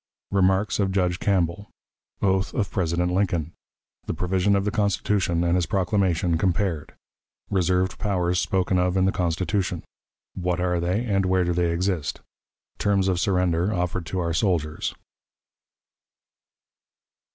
Remarks of Judge Campbell. Oath of President Lincoln. The Provision of the Constitution and his Proclamation compared. Reserved Powers spoken of in the Constitution. What are they, and where do they exist? Terms of Surrender offered to our Soldiers.